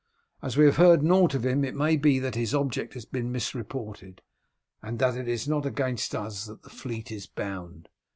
As we have heard nought of him it may be that his object has been misreported, and that it is not against us that his fleet is bound."